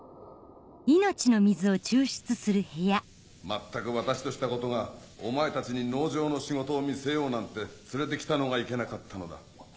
まったく私としたことがお前たちに農場の仕事を見せようなんて連れて来たのがいけなかったのだ。